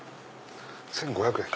１５００円。